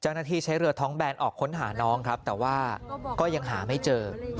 เจ้าหน้าที่ใช้เรือท้องแบนออกค้นหาน้องครับแต่ว่าก็ยังหาไม่เจอ